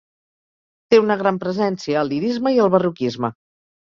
Té una gran presència el lirisme i el barroquisme.